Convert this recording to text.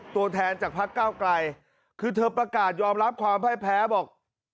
ตัวแทนจากพักเก้าไกลคือเธอประกาศยอมรับความพ่ายแพ้บอก